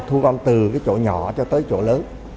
thu gom từ cái chỗ nhỏ cho tới chỗ lớn